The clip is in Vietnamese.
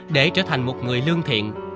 để trở thành một người lương thiện